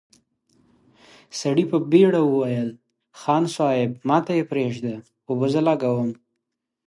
سړي په بېړه وويل: خان صيب، ماته يې پرېږده، اوبه زه لګوم!